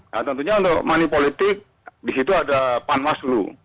nah tentunya untuk manipolitik di situ ada panwaslu